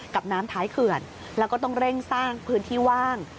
กับน้ำท้ายเขื่อนแล้วก็ต้องเร่งสร้างพื้นที่ว่าง